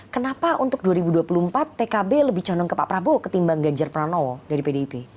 kenapa untuk dua ribu dua puluh empat pkb lebih condong ke pak prabowo ketimbang ganjar pranowo dari pdip